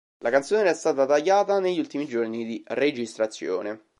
La canzone era stata tagliata negli ultimi giorni di registrazione.